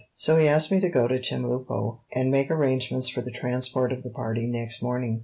So he asked me to go to Chemulpo and make arrangements for the transport of the party next morning.